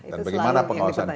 dan bagaimana pengawasan kalian